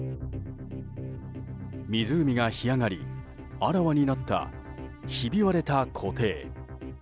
湖が干上がり、あらわになったひび割れた湖底。